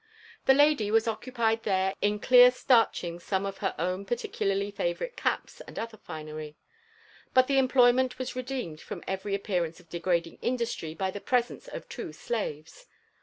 The lady was occupied there in eiear starchingsome of her «wn par ticularly favourite caps and other finery; but the employment was re deemed from every appearance of degrading industry by the presetice ef two slaves.